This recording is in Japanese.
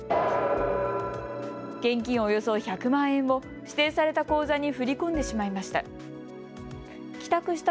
現金およそ１００万円を指定された口座に振り込んでしまいました。